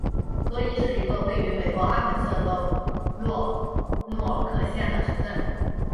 科伊是一个位于美国阿肯色州洛诺克县的城镇。